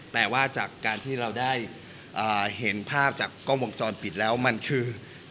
แต่ว่าจากการที่เราได้เห็นภาพจากกล้องวงจรปิดแล้วมันคือ